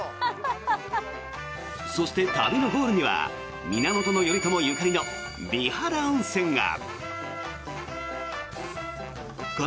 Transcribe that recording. そして、旅のゴールには源頼朝ゆかりの美肌温泉が！